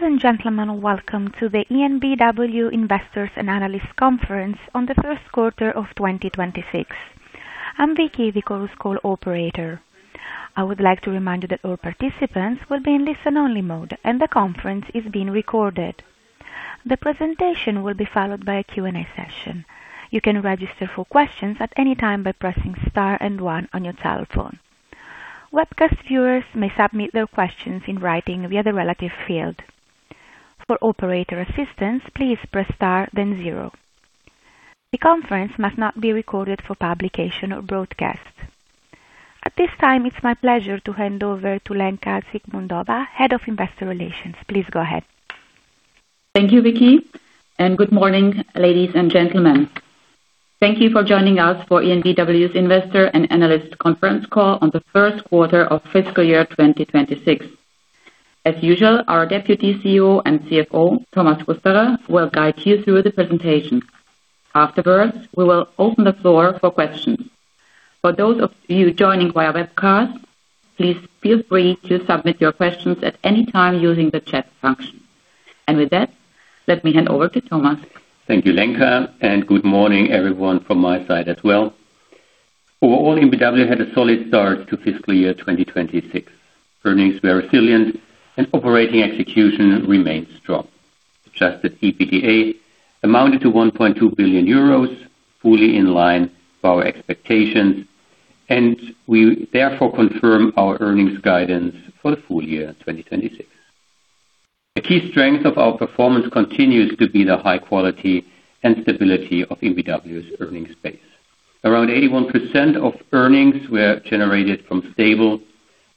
Ladies and gentlemen, welcome to the EnBW Investors and Analysts Conference on the first quarter of 2026. I'm Vicky, the Chorus Call operator. I would like to remind you that all participants will be in listen-only mode, and the conference is being recorded. The presentation will be followed by a Q&A session. You can register for questions at any time by pressing star and one on your cell phone. Webcast viewers may submit their questions in writing via the relative field. For operator assistance, please press star, then 0. The conference must not be recorded for publication or broadcast. At this time, it's my pleasure to hand over to Lenka Zikmundova, Head of Investor Relations. Please go ahead. Thank you, Vicky, and good morning, ladies and gentlemen. Thank you for joining us for EnBW's Investor and Analyst Conference Call on the first quarter of fiscal year 2026. As usual, our Deputy CEO and CFO, Thomas Kusterer, will guide you through the presentation. Afterwards, we will open the floor for questions. For those of you joining via webcast, please feel free to submit your questions at any time using the chat function. With that, let me hand over to Thomas. Thank you, Lenka, and good morning, everyone from my side as well. Overall, EnBW had a solid start to fiscal year 2026. Earnings were resilient and operating execution remains strong. Adjusted EBITDA amounted to 1.2 billion euros, fully in line with our expectations, and we therefore confirm our earnings guidance for the full year 2026. The key strength of our performance continues to be the high quality and stability of EnBW's earnings base. Around 81% of earnings were generated from stable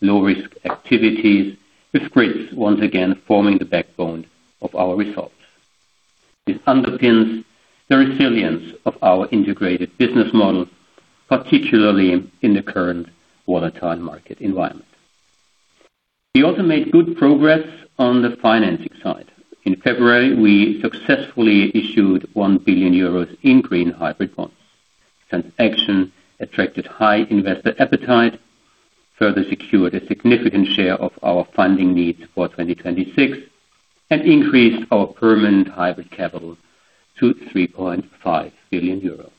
low-risk activities, with grids once again forming the backbone of our results. This underpins the resilience of our integrated business model, particularly in the current volatile market environment. We also made good progress on the financing side. In February, we successfully issued 1 billion euros in green hybrid bonds. Transaction attracted high investor appetite, further secured a significant share of our funding needs for 2026, and increased our permanent hybrid capital to 3.5 billion euros.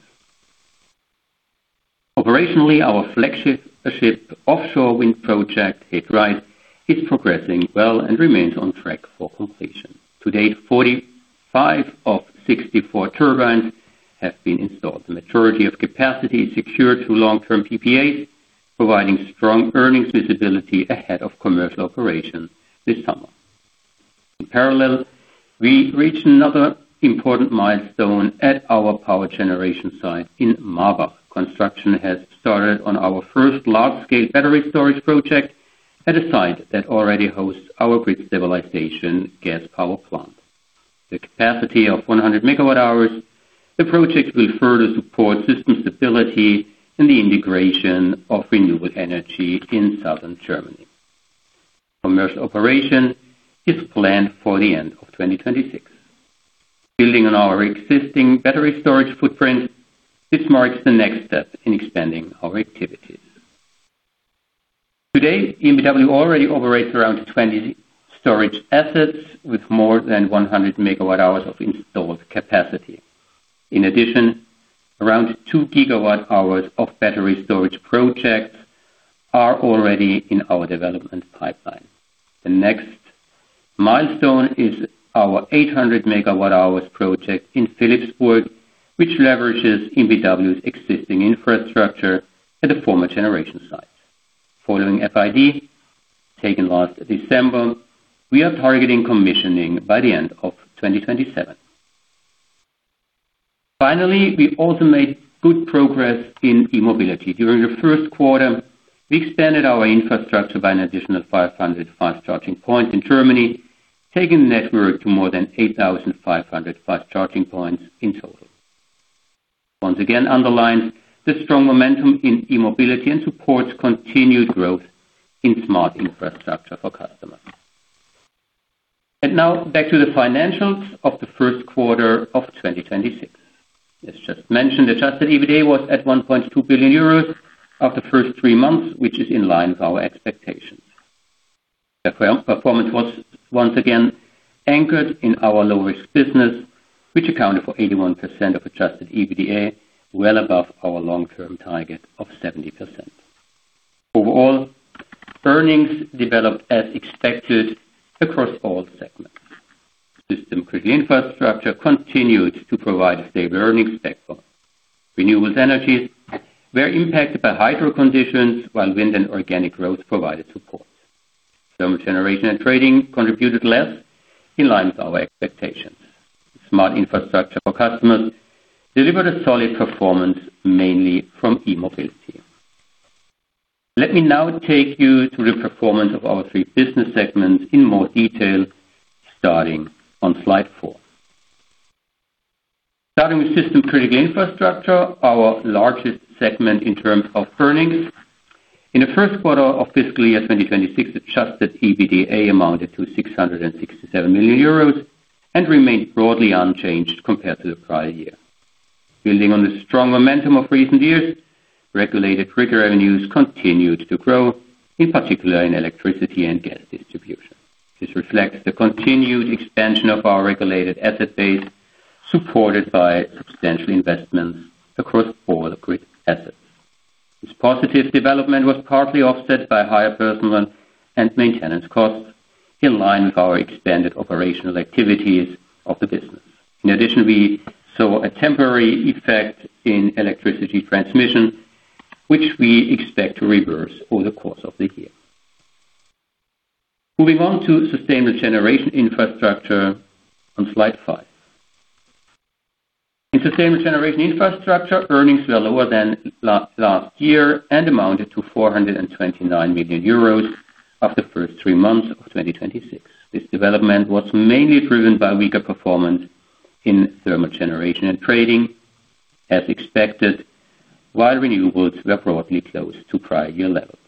Operationally, our flagship offshore wind project, He Dreiht, is progressing well and remains on track for completion. To date, 45 of 64 turbines have been installed. The majority of capacity is secured through long-term PPAs, providing strong earnings visibility ahead of commercial operation this summer. In parallel, we reached another important milestone at our power generation site in Marbach. Construction has started on our first large-scale battery storage project at a site that already hosts our grid stabilization gas power plant. The capacity of 100 MWh, the project will further support system stability and the integration of renewable energy in Southern Germany. Commercial operation is planned for the end of 2026. Building on our existing battery storage footprint, this marks the next step in expanding our activities. Today, EnBW already operates around 20 storage assets with more than 100 MWh of installed capacity. In addition, around 2 GWh of battery storage projects are already in our development pipeline. The next milestone is our 800 MWh project in Philippsburg, which leverages EnBW's existing infrastructure at the former generation site. Following FID, taken last December, we are targeting commissioning by the end of 2027. Finally, we also made good progress in e-mobility. During the first quarter, we expanded our infrastructure by an additional 500 fast charging points in Germany, taking the network to more than 8,500 fast charging points in total. Once again underlines the strong momentum in e-mobility and supports continued growth in Smart Infrastructure for Customers. Now back to the financials of the first quarter of 2026. Let's just mention, adjusted EBITDA was at 1.2 billion euros of the first three months, which is in line with our expectations. The performance was once again anchored in our low-risk business, which accounted for 81% of adjusted EBITDA, well above our long-term target of 70%. Overall, earnings developed as expected across all segments. System-Critical Infrastructure continued to provide a stable earnings platform. Renewables Energies were impacted by hydro conditions, while wind and organic growth provided support. Thermal Generation and Trading contributed less in line with our expectations. Smart Infrastructure for Customers delivered a solid performance, mainly from e-mobility. Let me now take you through the performance of our three business segments in more detail, starting on slide four. Starting with System-Critical Infrastructure, our largest segment in terms of earnings. In the first quarter of fiscal year 2026, adjusted EBITDA amounted to 667 million euros and remained broadly unchanged compared to the prior year. Building on the strong momentum of recent years, regulated grid revenues continued to grow, in particular in electricity and gas distribution. This reflects the continued expansion of our regulated asset base, supported by substantial investments across all grid assets. This positive development was partly offset by higher personnel and maintenance costs, in line with our expanded operational activities of the business. In addition, we saw a temporary effect in electricity transmission, which we expect to reverse over the course of the year. Moving on to Sustainable Generation Infrastructure on slide five. In Sustainable Generation Infrastructure, earnings were lower than last year and amounted to 429 million euros of the first three months of 2026. This development was mainly driven by weaker performance in thermal generation and trading, as expected, while renewables were broadly close to prior year levels.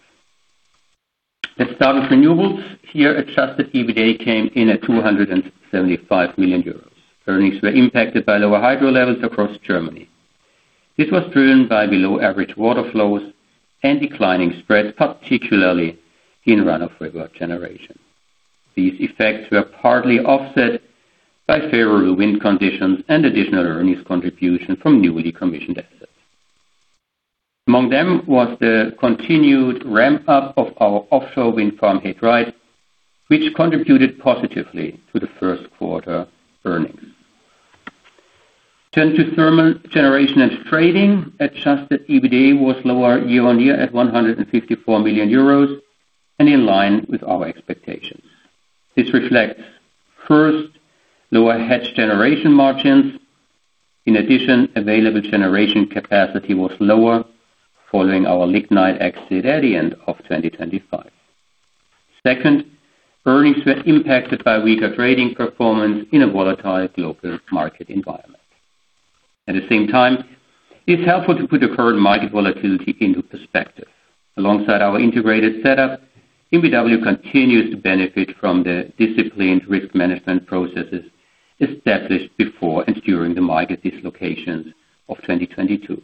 Let's start with renewables. Here, adjusted EBITDA came in at 275 million euros. Earnings were impacted by lower hydro levels across Germany. This was driven by below-average water flows and declining spreads, particularly in run-of-river generation. These effects were partly offset by favorable wind conditions and additional earnings contribution from newly commissioned assets. Among them was the continued ramp-up of our offshore wind farm He Dreiht, which contributed positively to the first quarter earnings. Turn to thermal generation and trading, adjusted EBITDA was lower year-on-year at 154 million euros and in line with our expectations. This reflects, first, lower hedged generation margins. In addition, available generation capacity was lower following our lignite exit at the end of 2025. Second, earnings were impacted by weaker trading performance in a volatile global market environment. At the same time, it's helpful to put the current market volatility into perspective. Alongside our integrated setup, EnBW continues to benefit from the disciplined risk management processes established before and during the market dislocations of 2022.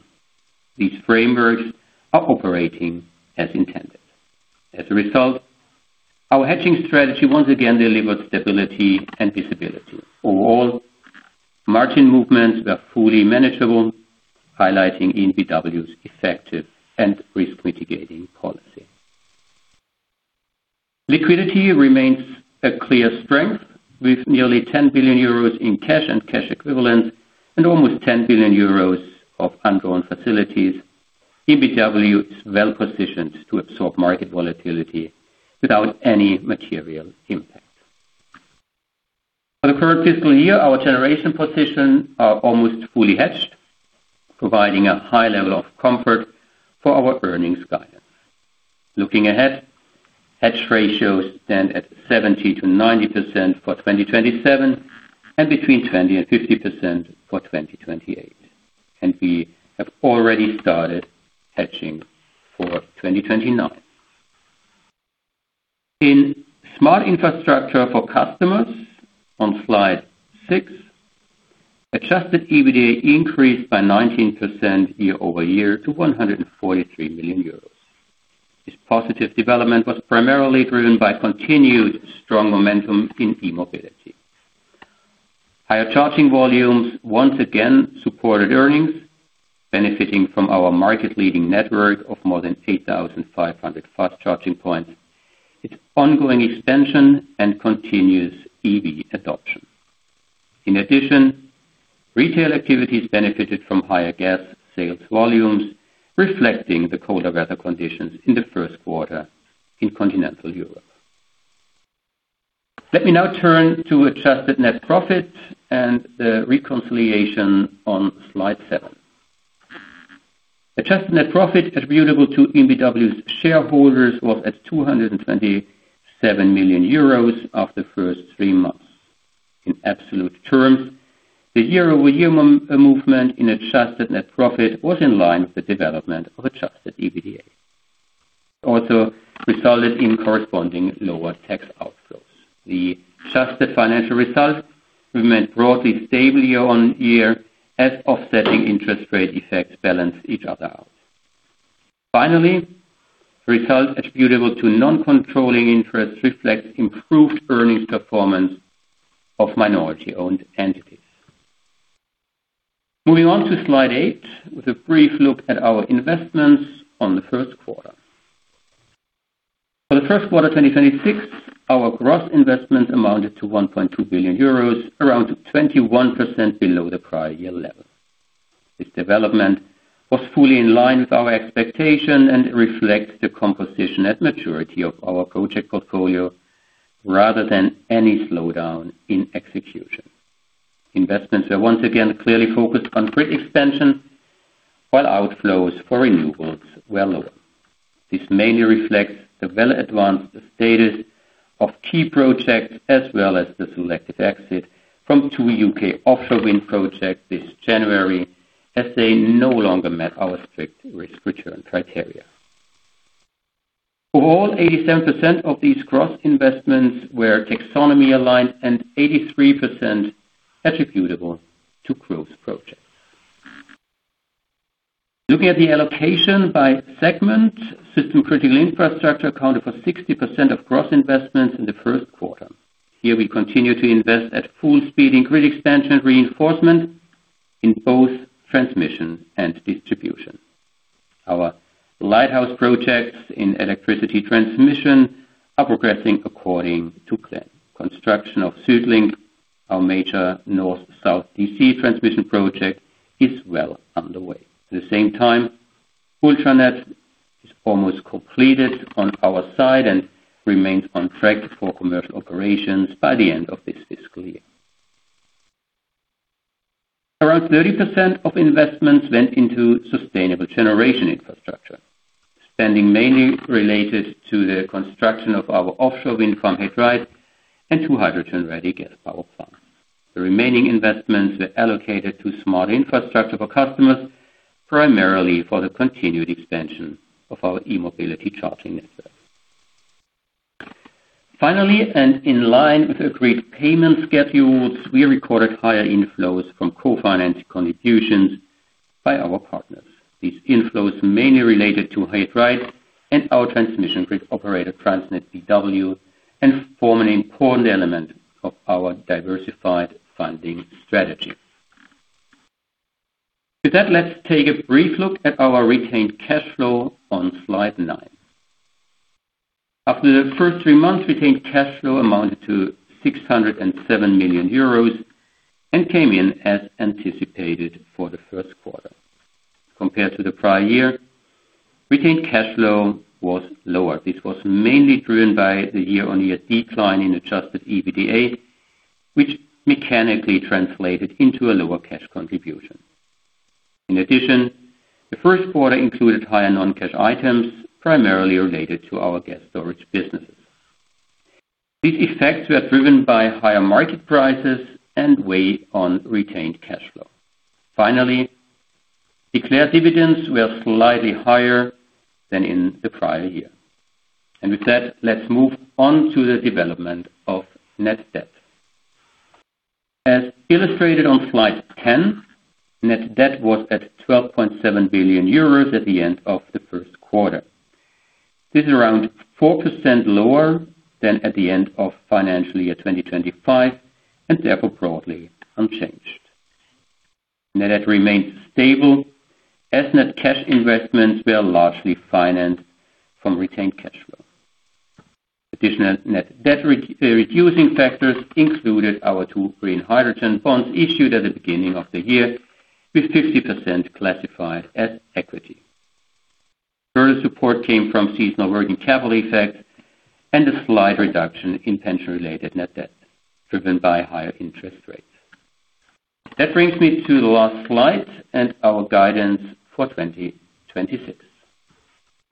These frameworks are operating as intended. Our hedging strategy once again delivered stability and visibility. Margin movements were fully manageable, highlighting EnBW's effective and risk-mitigating policy. Liquidity remains a clear strength with nearly 10 billion euros in cash and cash equivalents and almost 10 billion euros of undrawn facilities. EnBW is well-positioned to absorb market volatility without any material impact. For the current fiscal year, our generation position are almost fully hedged, providing a high level of comfort for our earnings guidance. Looking ahead, hedge ratios stand at 70%-90% for 2027 and between 20%-50% for 2028, and we have already started hedging for 2029. In Smart Infrastructure for Customers, on slide six, adjusted EBITDA increased by 19% year-over-year to 143 million euros. This positive development was primarily driven by continued strong momentum in e-mobility. Higher charging volumes once again supported earnings, benefiting from our market-leading network of more than 8,500 fast-charging points, its ongoing expansion, and continuous EV adoption. In addition, retail activities benefited from higher gas sales volumes, reflecting the colder weather conditions in the first quarter in continental Europe. Let me now turn to adjusted net profit and the reconciliation on slide seven. Adjusted net profit attributable to EnBW's shareholders was at 227 million euros of the first three months. In absolute terms, the year-over-year movement in adjusted net profit was in line with the development of adjusted EBITDA. Also resulted in corresponding lower tax outflows. The adjusted financial results remained broadly stable year on year as offsetting interest rate effects balanced each other out. Finally, results attributable to non-controlling interests reflect improved earnings performance of minority-owned entities. Moving on to slide eight with a brief look at our investments on the first quarter. For the first quarter 2026, our gross investment amounted to 1.2 billion euros, around 21% below the prior year level. This development was fully in line with our expectation and reflects the composition at maturity of our project portfolio rather than any slowdown in execution. Investments are once again clearly focused on grid expansion, while outflows for renewables were low. This mainly reflects the well-advanced status of key projects as well as the selective exit from two U.K. offshore wind projects this January, as they no longer met our strict risk return criteria. Overall, 87% of these cross investments were taxonomy aligned and 83% attributable to growth projects. Looking at the allocation by segment, System Critical Infrastructure accounted for 60% of gross investments in the first quarter. Here we continue to invest at full speed in grid expansion reinforcement in both transmission and distribution. Our lighthouse projects in electricity transmission are progressing according to plan. Construction of SuedLink, our major North South DC transmission project, is well underway. At the same time, Ultranet is almost completed on our side and remains on track for commercial operations by the end of this fiscal year. Around 30% of investments went into Sustainable Generation Infrastructure, spending mainly related to the construction of our offshore wind farm He Dreiht and two hydrogen-ready gas power plants. The remaining investments were allocated to Smart Infrastructure for Customers, primarily for the continued expansion of our e-mobility charging network. Finally, in line with agreed payment schedules, we recorded higher inflows from co-finance contributions by our partners. These inflows mainly related to He Dreiht and our transmission grid operator, TransnetBW, and form an important element of our diversified funding strategy. With that, let's take a brief look at our retained cash flow on slide nine. After the first three months, retained cash flow amounted to 607 million euros and came in as anticipated for the first quarter. Compared to the prior year, retained cash flow was lower. This was mainly driven by the year-on-year decline in adjusted EBITDA, which mechanically translated into a lower cash contribution. In addition, the first quarter included higher non-cash items, primarily related to our gas storage businesses. These effects were driven by higher market prices and weigh on retained cash flow. Finally, declared dividends were slightly higher than in the prior year. With that, let's move on to the development of net debt. As illustrated on slide 10, net debt was at 12.7 billion euros at the end of the first quarter. This is around 4% lower than at the end of financial year 2025, and therefore broadly unchanged. Net debt remained stable as net cash investments were largely financed from retained cash flow. Additional net debt reducing factors included our two green hybrid bonds issued at the beginning of the year, with 50% classified as equity. Further support came from seasonal working capital effect and a slight reduction in pension-related net debt driven by higher interest rates. That brings me to the last slide and our guidance for 2026.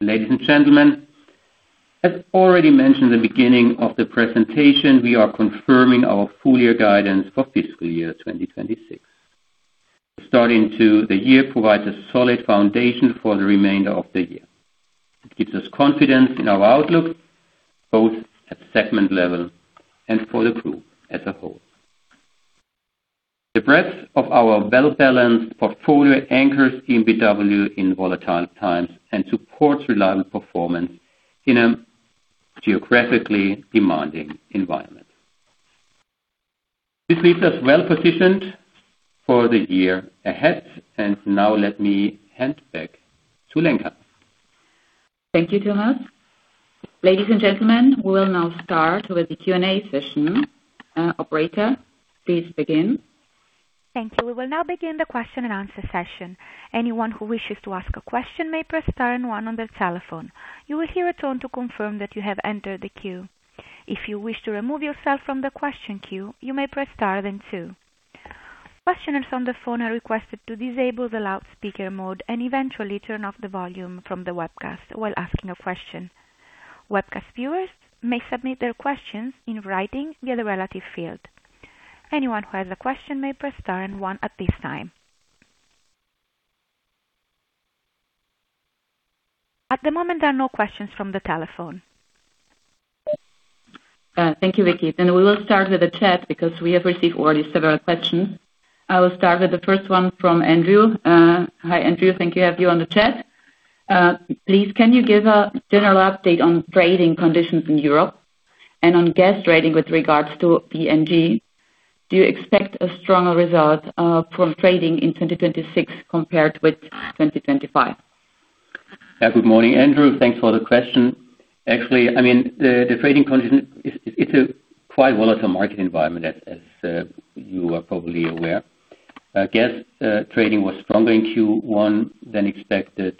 Ladies and gentlemen, as already mentioned at the beginning of the presentation, we are confirming our full year guidance for fiscal year 2026. Starting to the year provides a solid foundation for the remainder of the year. It gives us confidence in our outlook, both at segment level and for the group as a whole. The breadth of our well-balanced portfolio anchors EnBW in volatile times and supports reliable performance in a geographically demanding environment. This leaves us well-positioned for the year ahead. Now let me hand back to Lenka. Thank you, Thomas. Ladies and gentlemen, we will now start with the Q&A session. Operator, please begin. Thank you. We will now begin the question and answer session. Anyone who wishes to ask a question may press star and one on their telephone. You will hear a tone to confirm that you have entered the queue. If you wish to remove yourself from the question queue, you may press star then two. Questioners on the phone are requested to disable the loudspeaker mode and eventually turn off the volume from the webcast while asking a question. Webcast viewers may submit their questions in writing via the relative field. Anyone who has a question may press star and one at this time. At the moment, there are no questions from the telephone. Thank you, Vicky. We will start with the chat because we have received already several questions. I will start with the first one from Andrew. Hi, Andrew. Thank you, have you on the chat. Please can you give a general update on trading conditions in Europe and on gas trading with regards to LNG? Do you expect a stronger result from trading in 2026 compared with 2025? Yeah. Good morning, Andrew. Thanks for the question. Actually, I mean, it's a quite volatile market environment as you are probably aware. I guess, trading was stronger in Q1 than expected.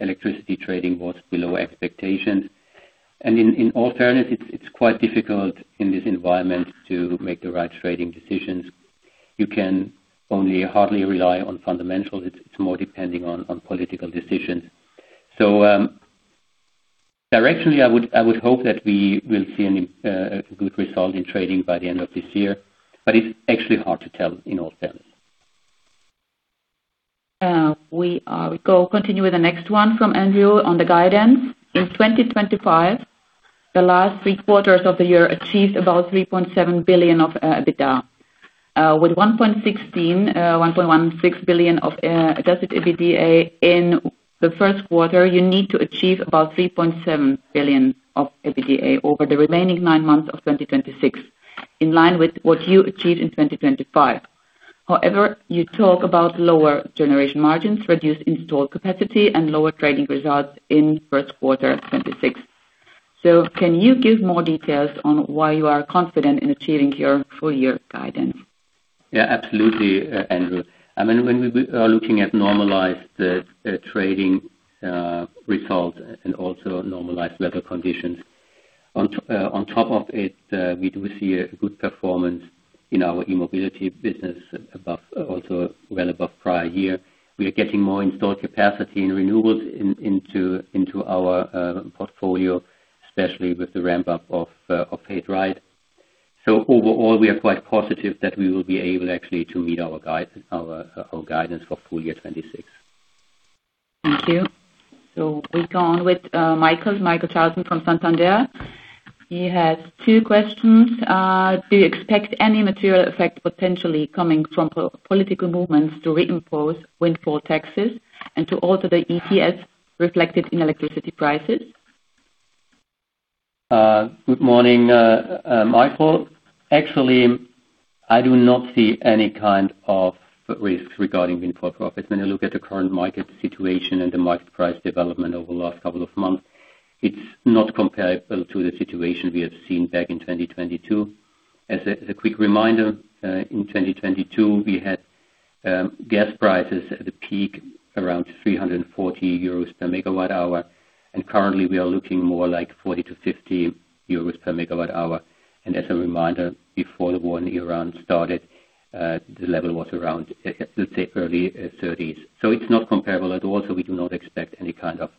Electricity trading was below expectations. In alternative, it's quite difficult in this environment to make the right trading decisions. You can only hardly rely on fundamentals. It's more depending on political decisions. Directionally, I would hope that we will see a good result in trading by the end of this year, but it's actually hard to tell in all fairness. We go continue with the next one from Andrew on the guidance. In 2025, the last three quarters of the year achieved about 3.7 billion of EBITDA. With 1.16 billion of adjusted EBITDA in the first quarter, you need to achieve about 3.7 billion of EBITDA over the remaining nine months of 2026, in line with what you achieved in 2025. You talk about lower generation margins, reduced installed capacity, and lower trading results in first quarter 2026. Can you give more details on why you are confident in achieving your full year guidance? Yeah, absolutely, Andrew. I mean, when we looking at normalized trading results and also normalized weather conditions, on top of it, we do see a good performance in our e-mobility business above, also well above prior year. We are getting more installed capacity and renewables into our portfolio, especially with the ramp-up of He Dreiht. Overall, we are quite positive that we will be able actually to meet our guide, our guidance for full year 2026. Thank you. We go on with Michael Charles from Santander. He has two questions. Do you expect any material effect potentially coming from political movements to reinforce windfall taxes and to alter the ETS reflected in electricity prices? Good morning, Michael. Actually, I do not see any kind of risks regarding windfall profits. When you look at the current market situation and the market price development over the last couple of months, it's not comparable to the situation we have seen back in 2022. As a quick reminder, in 2022, we had gas prices at the peak around 340 euros per megawatt hour, and currently we are looking more like 40 to 50 euros per megawatt hour. As a reminder, before the war in Ukraine started, the level was around, let's say early EUR 30s. It's not comparable at all. We do not expect any kind of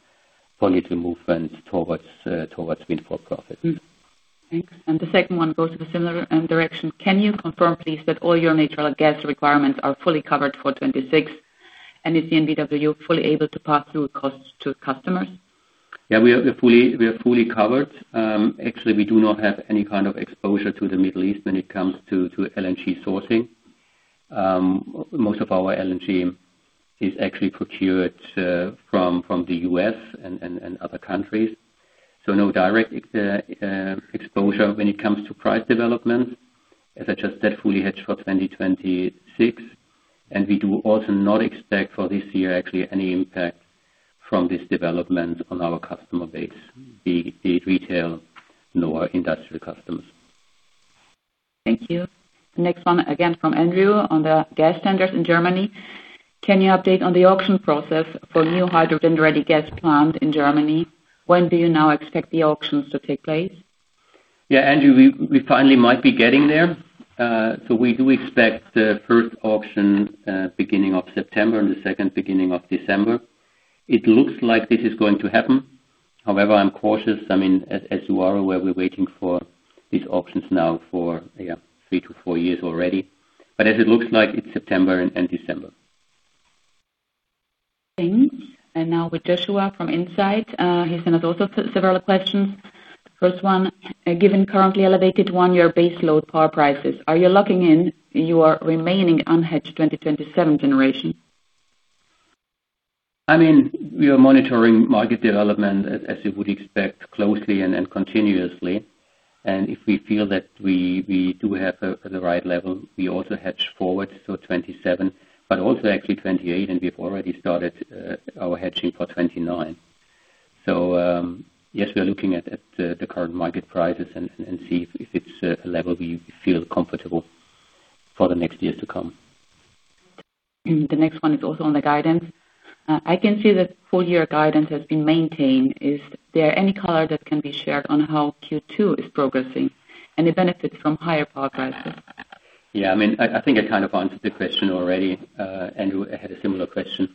political movement towards windfall profits. Thanks. The second one goes in a similar direction. Can you confirm, please, that all your natural gas requirements are fully covered for 2026? Is EnBW fully able to pass through costs to customers? We are fully covered. Actually, we do not have any kind of exposure to the Middle East when it comes to LNG sourcing. Most of our LNG is actually procured from the U.S. and other countries. No direct exposure when it comes to price development. As I just said, fully hedged for 2026, and we do also not expect for this year actually any impact from this development on our customer base, be it retail nor industrial customers. Thank you. Next one, again from Andrew on the gas tenders in Germany. Can you update on the auction process for new hydrogen-ready gas plant in Germany? When do you now expect the auctions to take place? Yeah, Andrew, we finally might be getting there. We do expect the first auction, beginning of September and the second beginning of December. It looks like this is going to happen. However, I'm cautious. I mean, as you are, we're waiting for these auctions now for, yeah, three to four years already. As it looks like it's September and December. Thanks. Now with Joshua from Insight. He's gonna do also several questions. First one, given currently elevated one-year base load power prices, are you locking in your remaining unhedged 2027 generation? I mean, we are monitoring market development, as you would expect, closely and continuously. If we feel that we do have the right level, we also hedge forward to 2027, but also actually 2028, and we've already started our hedging for 2029. Yes, we are looking at the current market prices and see if it's a level we feel comfortable for the next years to come. The next one is also on the guidance. I can see that full year guidance has been maintained. Is there any color that can be shared on how Q2 is progressing and the benefits from higher power prices? Yeah, I mean, I think I kind of answered the question already. Andrew had a similar question.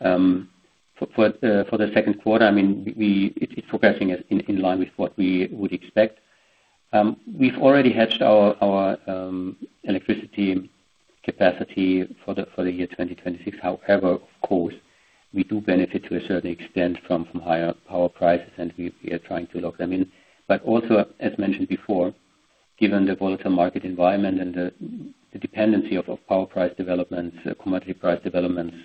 For the second quarter, I mean, it's progressing in line with what we would expect. We've already hedged our electricity capacity for the year 2026. Of course, we do benefit to a certain extent from higher power prices, we are trying to lock them in. Also, as mentioned before, given the volatile market environment and the dependency of power price developments, commodity price developments,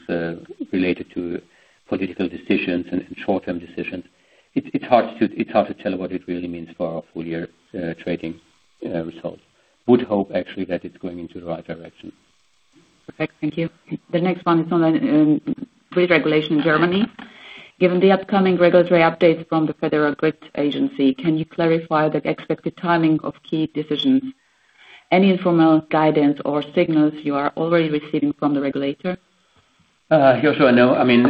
related to political decisions and short-term decisions, it's hard to tell what it really means for our full year trading results. I would hope actually that it's going into the right direction. Perfect. Thank you. The next one is on pre-regulation Germany. Given the upcoming regulatory updates from the Federal Network Agency, can you clarify the expected timing of key decisions? Any informal guidance or signals you are already receiving from the regulator? Joshua, no. I mean,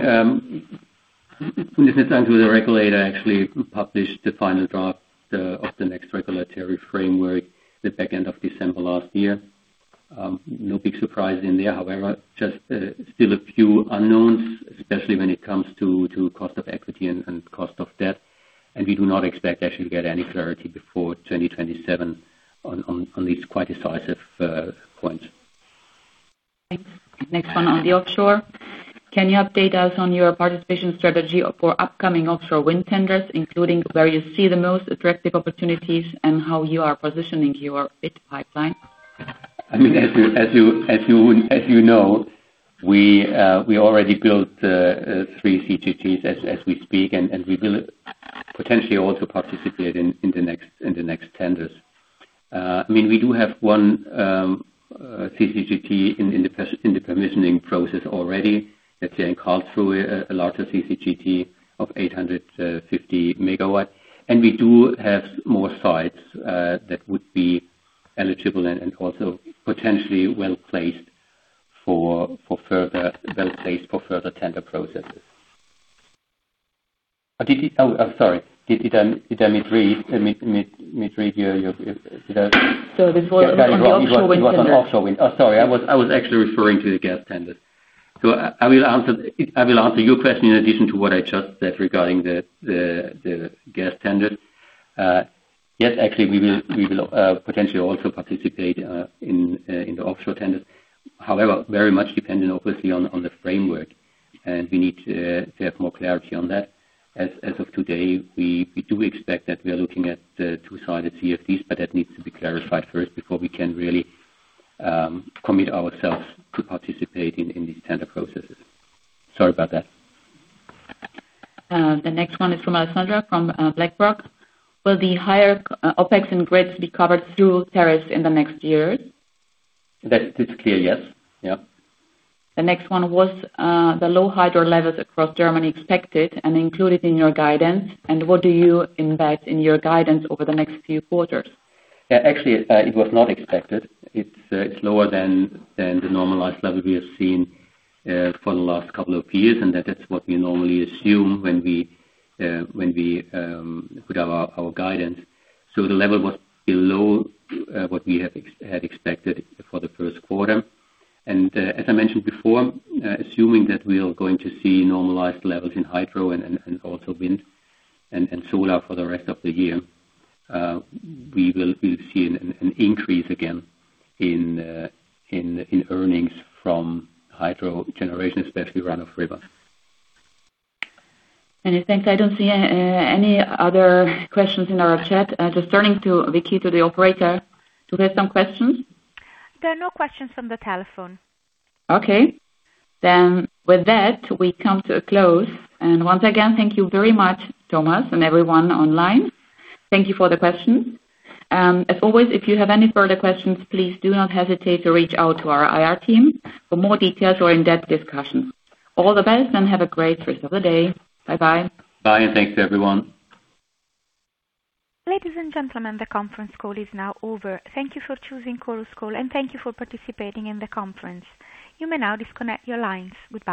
in this instance, the regulator actually published the final draft of the next regulatory framework the back end of December last year. No big surprise in there. However, just still a few unknowns, especially when it comes to cost of equity and cost of debt. We do not expect actually to get any clarity before 2027 on these quite decisive points. Thanks. Next one on the offshore. Can you update us on your participation strategy for upcoming offshore wind tenders, including where you see the most attractive opportunities and how you are positioning your bid pipeline? I mean, as you know, we already built three CCGTs as we speak, and we will potentially also participate in the next tenders. I mean, we do have one CCGT in the permissioning process already. Let's say in Karlsruhe, a larger CCGT of 850 MW. We do have more sites that would be eligible and also potentially well-placed for further tender processes. Oh, I'm sorry. Did I misread your- This was on the offshore wind tender. It was on offshore wind. Sorry. I was actually referring to the gas tender. I will answer your question in addition to what I just said regarding the gas tender. Yes, actually we will potentially also participate in the offshore tender. However, very much dependent obviously on the framework, and we need to have more clarity on that. As of today, we do expect that we are looking at two-sided CFDs, that needs to be clarified first before we can really commit ourselves to participate in these tender processes. Sorry about that. The next one is from Alexandra from BlackRock. Will the higher CapEx in grids be covered through tariffs in the next years? That is clear, yes. Yeah. The next one, was, the low hydro levels across Germany expected and included in your guidance? What do you invite in your guidance over the next few quarters? Actually, it was not expected. It's lower than the normalized level we have seen for the last couple of years, and that is what we normally assume when we put out our guidance. The level was below what we had expected for the first quarter. As I mentioned before, assuming that we are going to see normalized levels in hydro and also wind and solar for the rest of the year, we've seen an increase again in earnings from hydro generation, especially run-of-river. Many thanks. I don't see any other questions in our chat. Just turning to Vicky, to the operator. Do we have some questions? There are no questions from the telephone. Okay. With that, we come to a close. Once again, thank you very much, Thomas, and everyone online. Thank you for the questions. As always, if you have any further questions, please do not hesitate to reach out to our IR team for more details or in-depth discussions. All the best, and have a great rest of the day. Bye-bye. Bye, and thanks, everyone. Ladies and gentlemen, the conference call is now over. Thank you for choosing Chorus Call, and thank you for participating in the conference. You may now disconnect your lines. Goodbye.